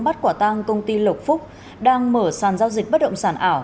bắt quả tang công ty lộc phúc đang mở sàn giao dịch bất động sản ảo